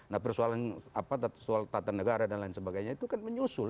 nah persoalan apa soal tata negara dan lain sebagainya itu kan menyusul